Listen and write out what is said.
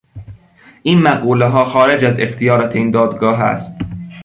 این مقولهها خارج از اختیارات این دادگاه است.